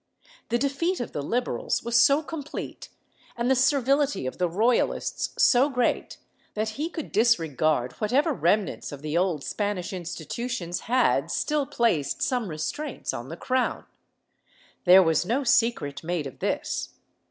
The defeat of the Liberals was so complete, and the servility of the Royalists so great, that he could disregard whatever remnants of the old Spanish institutions had still placed some restraints on the crown. There was no secret made of this.